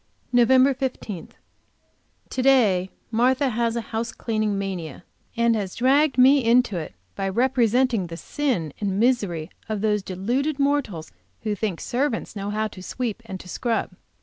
Nov. 15. To day Martha has a house cleaning mania, and has dragged me into it by representing the sin and misery of those deluded mortals who think servants know how to sweep and to scrub.